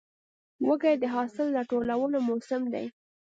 وږی د حاصل راټولو موسم دی.